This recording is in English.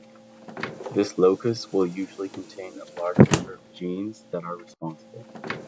This locus will usually contain a large number of genes that are responsible.